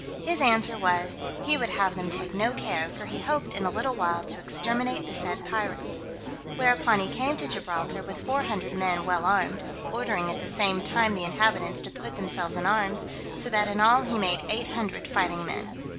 His answer was, "he would have them take no care, for he hoped in a little while to exterminate the said pirates." Whereupon he came to Gibraltar with four hundred men well armed, ordering at the same time the inhabitants to put themselves in arms, so that in all he made eight hundred fighting men.